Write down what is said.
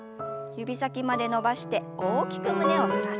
指先まで伸ばして大きく胸を反らせます。